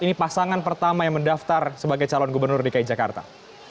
ini pasangan pertama yang mendaftar sebagai calon gubernur dki jakarta